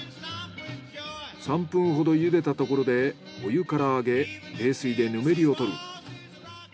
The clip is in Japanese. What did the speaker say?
３分ほど茹でたところでお湯から上げ冷水でぬめりをとる。